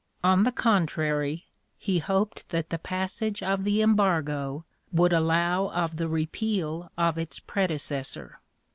On the contrary, he hoped that the passage of the embargo would allow of the repeal of its predecessor.